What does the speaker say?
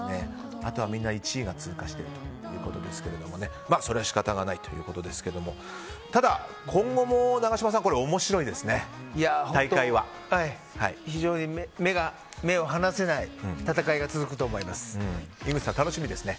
あとは、みんな１位が通過しているということですがそれは仕方がないということですがただ、今後の大会も非常に目を離せない戦いが井口さん、楽しみですね。